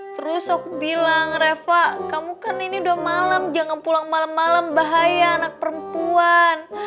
terus aku bilang reva kamu kan ini udah malam jangan pulang malam malam bahaya anak perempuan